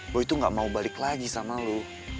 boy tuh gak mau balik lagi sama lo